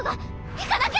行かなきゃ！